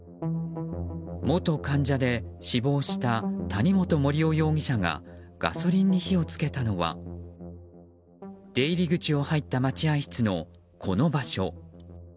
元患者で死亡した谷本重雄容疑者がガソリンに火を付けたのは出入り口を入った待合室のこの場所。